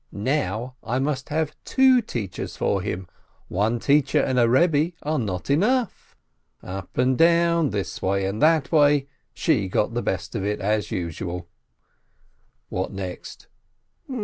Now I must have two teachers for him — one teacher and a Rebbe are not enough. Up and down, this way and that way, she got the best of it, as usual. What next?